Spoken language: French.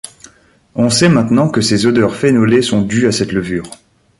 On sait maintenant que ces odeurs phénolées sont dues à cette levure.